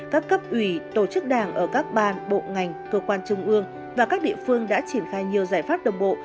các cấp ủy tổ chức đảng ở các ban bộ ngành cơ quan trung ương và các địa phương đã triển khai nhiều giải pháp đồng bộ